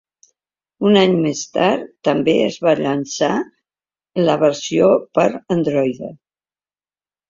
Un any més tard, també es va llançar la versió per Androide.